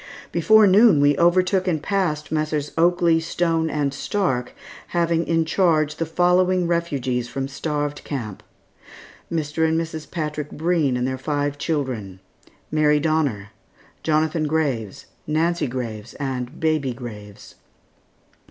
Before noon we overtook and passed Messrs. Oakley, Stone, and Stark, having in charge the following refugees from Starved Camp: Mr. and Mrs. Patrick Breen and their five children; Mary Donner, Jonathan Graves, Nancy Graves, and baby Graves.